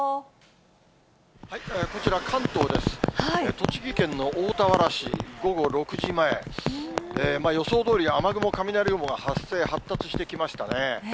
栃木県の大田原市、午後６時前。予想どおり雨雲、雷雲が発生、発達してきましたね。